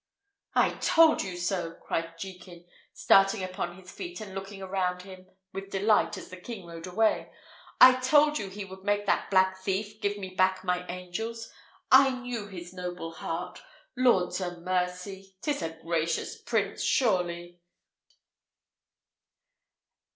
"I told you so!" cried Jekin, starting upon his feet, and looking round him with delight as the king rode away; "I told you he would make that black thief give me back my angels. I knew his noble heart; Lord 'a mercy! 'tis a gracious prince, surely."